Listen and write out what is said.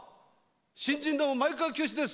新人の前川清です。